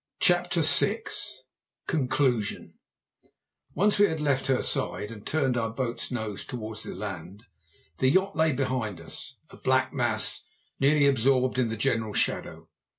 CHAPTER VI CONCLUSION Once we had left her side and turned our boat's nose towards the land, the yacht lay behind us, a black mass, nearly absorbed in the general shadow.